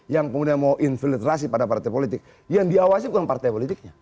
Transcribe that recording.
yang kemudian mau infiltrasi pada partai politik yang diawasi bukan partai politiknya